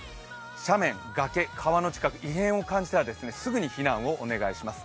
斜面、崖、川の近く、異変を感じたらすぐに避難をお願いします。